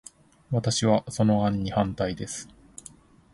私は、その案に反対です。